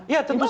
ya tentu saja